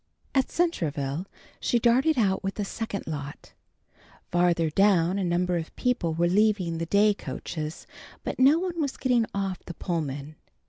At Centreville she darted out with the second lot. Farther down a number of people were leaving the day coaches, but no one was getting off the Pullman.